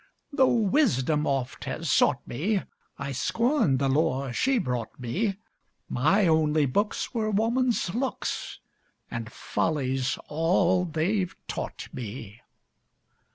Tho' Wisdom oft has sought me, I scorned the lore she brought me, My only books Were woman's looks, And folly's all they've taught me.